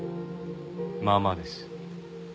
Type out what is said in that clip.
まあまあです。